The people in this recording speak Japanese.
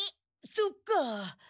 そっかぁ。